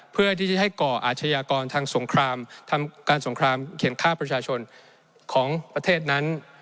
เพื่อที่จะให้ก่ออาชญากรทางสงครามทำการสงครามเขียนค่าประชาชนของประเทศนั้น